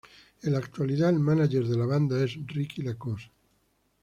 En la actualidad, el mánager de la banda es Ricky Lacoste.